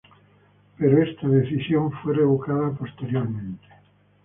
Pero esta decisión fue revocada posteriormente.